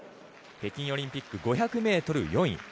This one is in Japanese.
北京オリンピック５００ｍ４位。